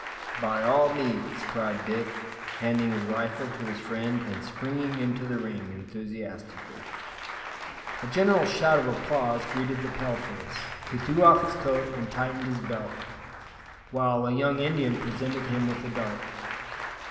"By all means," cried Dick, handing his rifle to his friend, and springing into the ring enthusiastically. A general shout of applause greeted the Pale face, who threw off' his coat and tightened his belt, while, a young Indian presented him with a dart.